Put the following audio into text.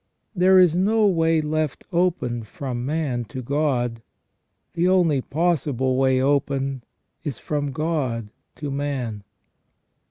There is no way left open from man to God ; the only possible way open is from God to man.